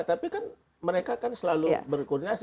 tapi kan mereka kan selalu berkoordinasi